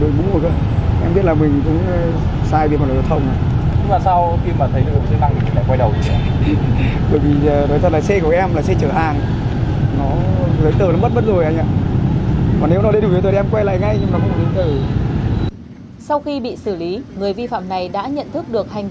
cảnh sát giao thông